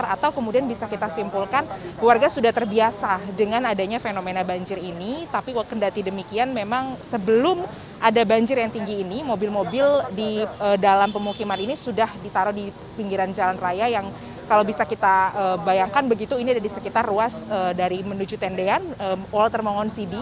atau kemudian bisa kita simpulkan warga sudah terbiasa dengan adanya fenomena banjir ini tapi wakendati demikian memang sebelum ada banjir yang tinggi ini mobil mobil di dalam pemukiman ini sudah ditaruh di pinggiran jalan raya yang kalau bisa kita bayangkan begitu ini ada di sekitar ruas dari menuju tendean walter mongon cd